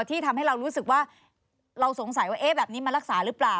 ที่ทำให้เรารู้สึกว่าเราสงสัยว่าแบบนี้มารักษาหรือเปล่า